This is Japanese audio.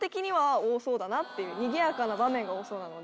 にぎやかな場面が多そうなので。